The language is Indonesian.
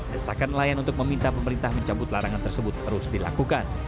desakan nelayan untuk meminta pemerintah mencabut larangan tersebut terus dilakukan